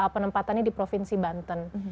penempatannya di provinsi banten